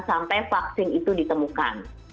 sampai vaksin itu ditemukan